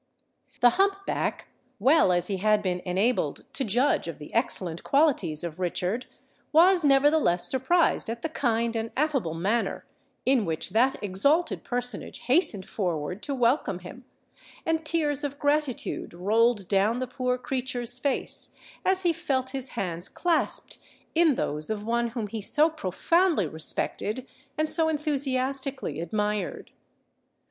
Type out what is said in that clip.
The hump back, well as he had been enabled to judge of the excellent qualities of Richard, was nevertheless surprised at the kind and affable manner in which that exalted personage hastened forward to welcome him; and tears of gratitude rolled down the poor creature's face as he felt his hands clasped in those of one whom he so profoundly respected and so enthusiastically admired.